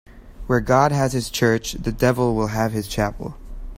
Where God has his church, the devil will have his chapel.